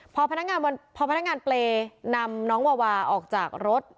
พอพนักงานเปรย์นำน้องวาวาออกจากรถ